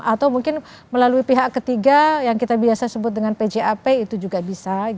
atau mungkin melalui pihak ketiga yang kita biasa sebut dengan pjap itu juga bisa